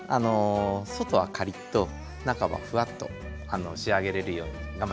外はカリッと中はフワッと仕上げれるように頑張っていきます。